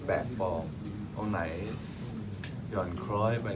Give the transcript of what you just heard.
แต่ถ้าเรามีการดูแลเรื่อย